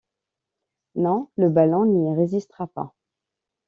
Non! le ballon n’y résisterait pas.